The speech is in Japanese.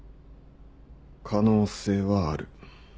可能性はある。